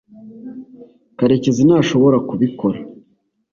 karekezi ntashobora kubikora